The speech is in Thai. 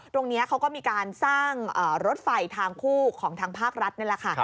ตรงนี้เขาก็มีการสร้างรถไฟทางคู่ของทางภาครัฐนี่แหละค่ะ